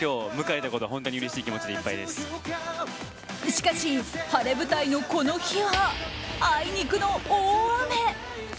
しかし、晴れ舞台のこの日はあいにくの大雨。